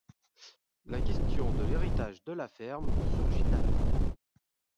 La question de l'héritage de la ferme surgit alors.